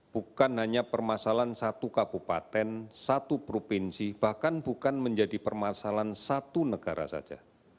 bukan hanya permasalahan satu kabupaten satu provinsi bahkan bukan menjadi permasalahan satu negara saja